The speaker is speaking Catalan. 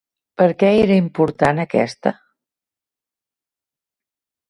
Per què era important aquesta?